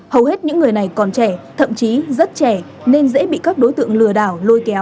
hầu hết những người này còn trẻ thậm chí rất trẻ nên dễ bị các đối tượng lừa đảo